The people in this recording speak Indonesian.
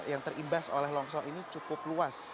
yang terimbas oleh longsor ini cukup luas